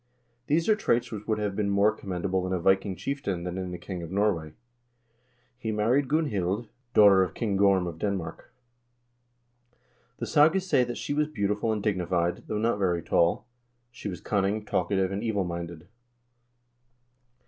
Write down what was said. These are traits which would be more commendable in a Viking chieftain than in a king of Norway. He married Gunhild, daughter of King Gorm of Denmark. The sagas say that she was beautiful and dignified, though not very tall ; she was cunning, talkative, and evil minded.